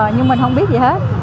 nhưng mình không biết gì hết